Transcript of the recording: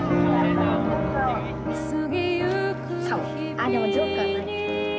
あでもジョーカーない。